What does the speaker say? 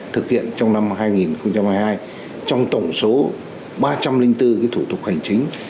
thực hiện trong năm hai nghìn hai mươi hai trong tổng số ba trăm linh bốn thủ tục hành chính